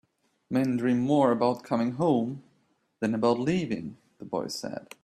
"Men dream more about coming home than about leaving," the boy said.